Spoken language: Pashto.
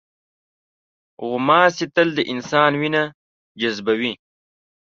غوماشې تل د انسان وینه جذبوي.